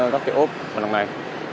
các cái ốp vào năm nay